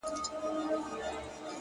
هره ورځ د اغېز نوې صحنه ده.